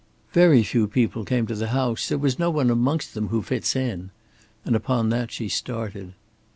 "Very few people came to the house. There was no one amongst them who fits in"; and upon that she started.